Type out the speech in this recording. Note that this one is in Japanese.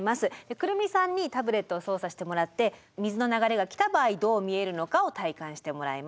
来美さんにタブレットを操作してもらって水の流れが来た場合どう見えるのかを体感してもらいます。